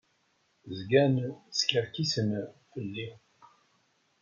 Zgan skerkisen fell-i.